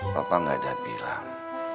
papa gak ada bilang